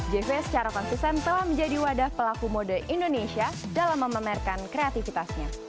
jf secara konsisten telah menjadi wadah pelaku mode indonesia dalam memamerkan kreativitasnya